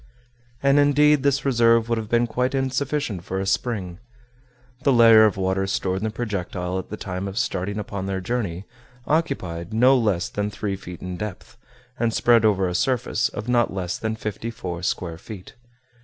And indeed this reserve would have been quite insufficient for a spring. The layer of water stored in the projectile at the time of starting upon their journey occupied no less than three feet in depth, and spread over a surface of not less than fifty four square feet.